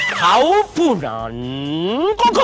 เขาพุนันกุโค่